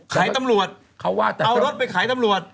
ขายตำรวจเอารถไปขายตำรวจ